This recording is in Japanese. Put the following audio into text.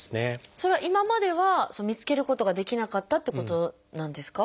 それは今までは見つけることができなかったっていうことなんですか？